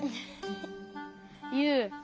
ユウ。